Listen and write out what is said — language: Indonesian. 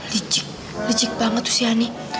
lijik licik banget tuh si ani